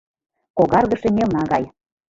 Когаргыше мелна гай